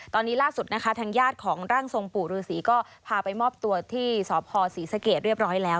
ตอนนี้ล่าสุดนะคะทางญาติของร่างทรงปู่ฤษีก็พาไปมอบตัวที่สพศรีสเกตเรียบร้อยแล้ว